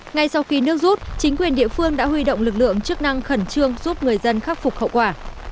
ngay sau khi nước rút chính quyền địa phương đã huy động lực lượng chức năng khẩn trương giúp người dân khắc phục hậu quả